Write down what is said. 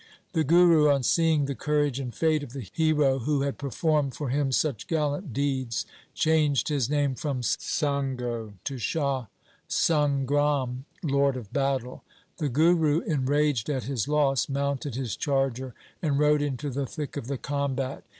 The Guru, on seeing the courage and fate of the hero who had performed for him such gallant deeds, changed his name from Sango to Shah San gram — Lord of battle. The Guru, enraged at his loss, mounted his charger and rode into the thick of the combat.